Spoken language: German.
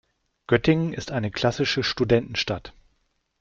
Göttingen ist eine klassische Studentenstadt.